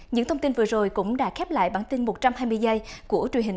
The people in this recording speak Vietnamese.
những thông tin vừa rồi cũng đã khép lại bản tin một trăm linh